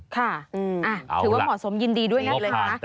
ค่ะถือว่าเหมาะสมยินดีด้วยนะคะ